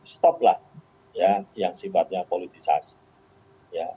stop lah ya yang sifatnya politisasi